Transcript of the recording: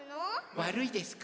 わるいですか？